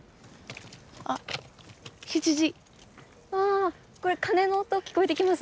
これ鐘の音聞こえてきますね。